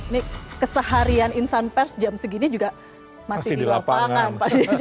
ini keseharian insan pers jam segini juga masih di lapangan